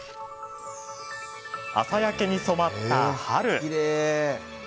朝焼けに染まった春。